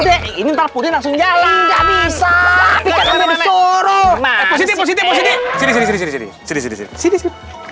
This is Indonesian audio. deh ini tak boleh langsung jalan bisa bisa disuruh maksudnya sedih sedih sedih sedih sedih